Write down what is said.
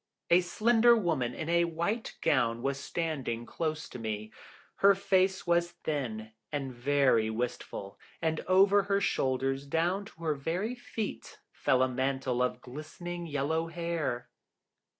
A slender woman in a white gown was standing close to me. Her face was thin, and very wistful, and over her shoulders, down to her very feet, fell a mantle of glistening yellow hair.